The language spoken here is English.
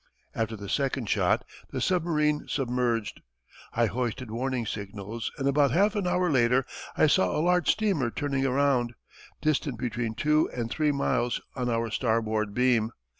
After the second shot the submarine submerged. I hoisted warning signals and about half an hour later I saw a large steamer turning round, distant between two and three miles on our starboard beam.